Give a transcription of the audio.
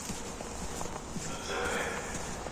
عملي ټولنپوهان يوه تګلاره وړاندې کوي.